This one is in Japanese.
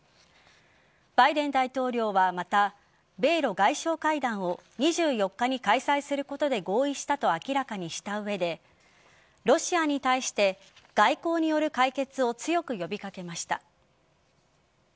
バイデン大統領はまた米露外相会談を２４日に開催することで合意したと明らかにした上でロシアに対して外交による解決を強く呼び掛けました。